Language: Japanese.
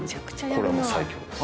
これはもう最強です。